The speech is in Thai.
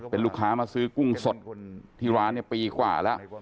เป็นลูกค้ามาซื้อกุ้งสดที่ร้านปีกว่าแล้ว